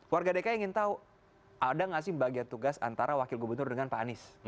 warga dki ingin tahu ada nggak sih bagian tugas antara wakil gubernur dengan pak anies